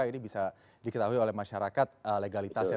ini bisa diketahui oleh masyarakat legalitasnya